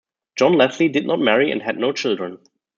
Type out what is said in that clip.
John Leslie did not marry and had no children.